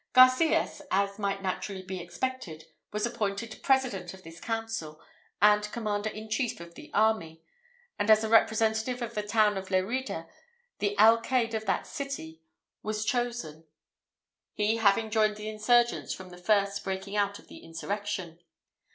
Garcias, as might naturally be expected, was appointed president of this council, and commander in chief of the army; and as a representative of the town of Lerida, the alcayde of that city was chosen, he having joined the insurgents from the first breaking out of the insurrection.